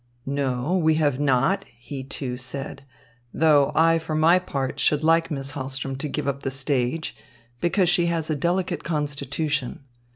"No, we have not," he, too, said, "though I for my part should like Miss Hahlström to give up the stage because she has a delicate constitution.